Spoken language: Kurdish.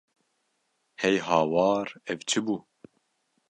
Hey hawar ev çi bû!